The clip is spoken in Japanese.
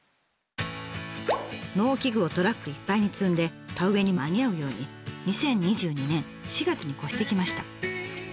農機具をトラックいっぱいに積んで田植えに間に合うように２０２２年４月に越してきました。